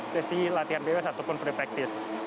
sesi latihan bebas ataupun free practice